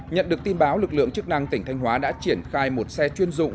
nhận được tin báo lực lượng chức năng tỉnh thanh hóa đã triển khai một xe chuyên dụng